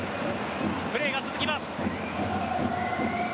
プレーが続きます。